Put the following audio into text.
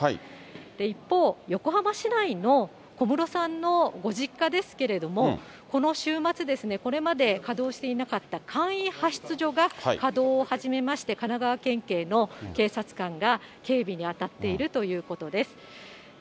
一方、横浜市内の小室さんのご実家ですけれども、この週末、これまで稼働していなかった簡易派出所が稼働を始めまして、神奈川県警の警察官が警備に当たっているということです。